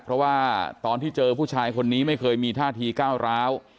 เพราะว่าตอนที่เจอผู้ชายคนนี้ไม่เคยมีท่าทีก้าวร้าว